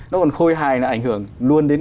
nó còn khôi hài là ảnh hưởng luôn đến